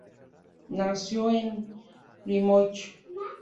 Nació en Plymouth.